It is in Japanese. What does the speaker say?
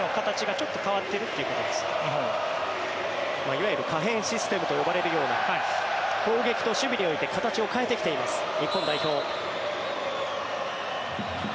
いわゆる可変システムと呼ばれるような攻撃と守備において形を変えてきています日本代表。